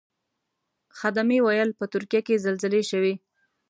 خدمې ویل په ترکیه کې زلزلې شوې.